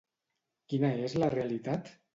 Quina és la realitat?